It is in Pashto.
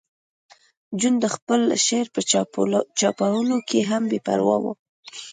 جون د خپل شعر په چاپولو کې هم بې پروا و